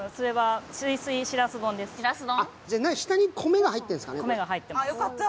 下に米が入ってるんですかね。